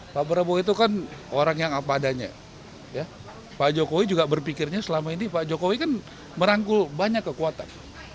pak prabowo itu kan orang yang apa adanya pak jokowi juga berpikirnya selama ini pak jokowi kan merangkul banyak kekuatan